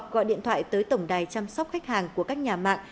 gọi điện thoại tới tổng đài chăm sóc khách hàng của các nhà mạng